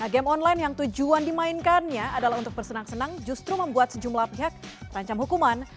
game online yang tujuan dimainkannya adalah untuk bersenang senang justru membuat sejumlah pihak terancam hukuman